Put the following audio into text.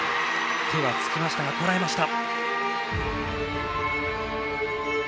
手はつきましたがこらえました。